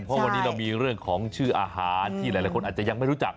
เพราะวันนี้เรามีเรื่องของชื่ออาหารที่หลายคนอาจจะยังไม่รู้จัก